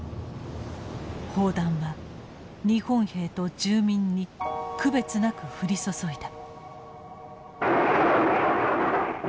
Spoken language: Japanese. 砲弾は日本兵と住民に区別なく降り注いだ。